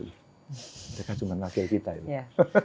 bukan cuma naga kita ya